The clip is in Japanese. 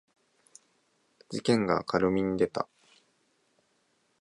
事件が明るみに出た